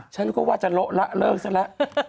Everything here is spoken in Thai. ฉันก็ว่าจะเลิกซะแล้ว